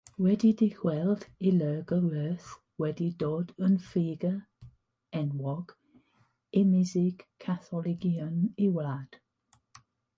Wedi dychwelyd i Loegr roedd wedi dod yn ffigwr enwog ymysg Catholigion y wlad.